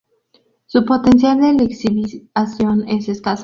Su potencial de lixiviación es escasa.